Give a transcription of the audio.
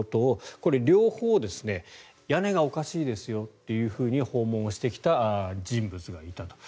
これ、両方屋根がおかしいですよと訪問してきた人物がいたと。